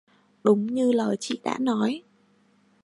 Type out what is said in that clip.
Đúng như lời chị đã nói